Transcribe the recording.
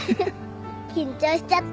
緊張しちゃった。